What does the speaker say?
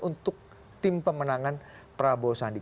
untuk tim pemenangan prabowo sandi